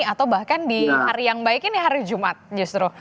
atau bahkan di hari yang baik ini hari jumat justru